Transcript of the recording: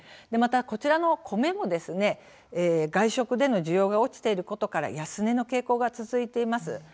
また、こちらの米も外食での需要が落ちていることから安値の傾向が続いています。